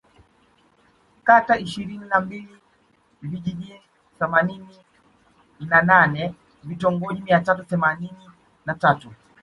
Kata ishirini na mbili Vijiji themanini na nane Vitongoji mia tatu themanini na tatu